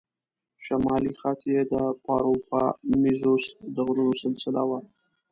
شمالي خط یې د پاروپامیزوس د غرونو سلسله وه.